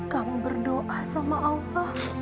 kamu berdoa sama allah